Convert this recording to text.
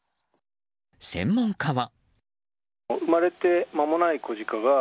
専門家は。